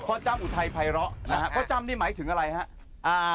พ่อจ้ามอุทัยไพระพ่อจ้ามนี่หมายถึงอะไรฮะ